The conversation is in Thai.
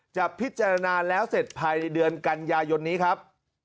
จะพิจารณาแล้วเสร็จภายในเดือนกันยายนนี้ครับ